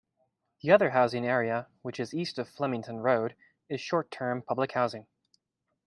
The other housing area, which is east of Flemington Road, is short-term public housing.